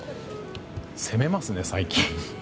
攻めますね、最近。